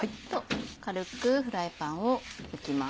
軽くフライパンを拭きます。